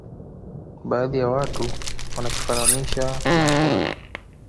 baadhi ya watu wanakifananisha na kwato